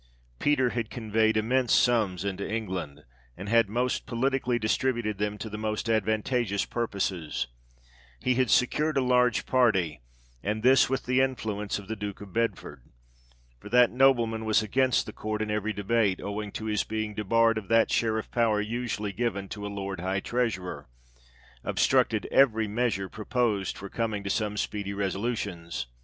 Peter had conveyed immense sums into England, and had most politically distributed them to the most advantageous purposes ; he had HIS MAJESTY HARANGUES COMMONS i; secured a large party, and this with the influence of the Duke of Bedford (for that nobleman was against the court in every debate, owing to his being debarred of that share of power usually given to a Lord High Treasurer), obstructed every measure proposed for coming to some speedy resolutions.